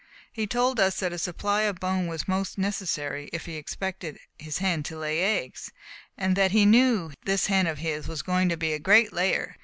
He told us that a supply of bone was most necessary if he expected his hen to lay eggs, and that he knew this hen of his was going to be a great layer.